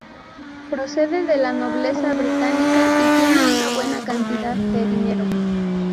Procede de la nobleza británica y tiene una buena cantidad de dinero.